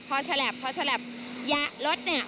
พอแชลปพอแชลปแยะรถเนี่ย